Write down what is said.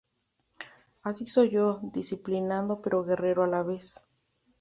Así soy yo, disciplinado pero guerrero a la vez".